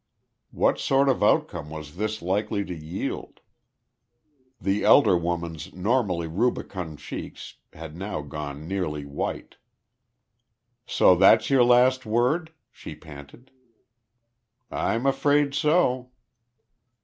What sort of outcome was this likely to yield? The elder woman's normally rubicund cheeks had now gone nearly white. "So that's your last word?" she panted. "I'm afraid so."